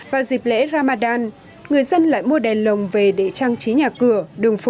vào dịp lễ ramadan người dân lại mua đèn lồng về để trang trí nhà cửa đường phố